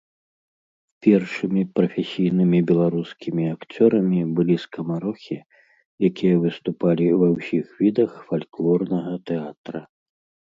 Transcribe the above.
Першымі прафесійнымі беларускімі акцёрамі былі скамарохі, якія выступалі ва ўсіх відах фальклорнага тэатра.